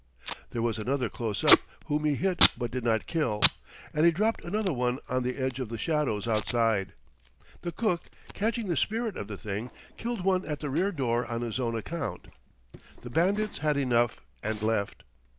There was another close up whom he hit but did not kill; and he dropped another one on the edge of the shadows outside. The cook, catching the spirit of the thing, killed one at the rear door on his own account. The bandits had enough, and left.